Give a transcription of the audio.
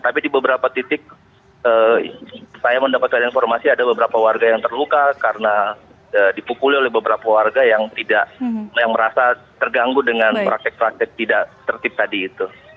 tapi di beberapa titik saya mendapatkan informasi ada beberapa warga yang terluka karena dipukuli oleh beberapa warga yang merasa terganggu dengan praktek praktek tidak tertip tadi itu